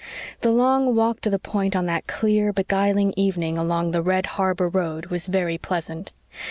The long walk to the Point on that clear, beguiling evening along the red harbor road was very pleasant.